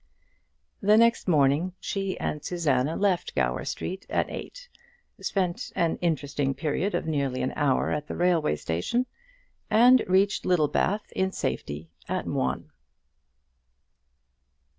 The next morning she and Susanna left Gower Street at eight, spent an interesting period of nearly an hour at the railway station, and reached Littlebath in safety at one.